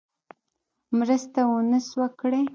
مرسته ونه سوه کړای.